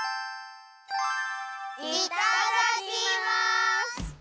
いただきます！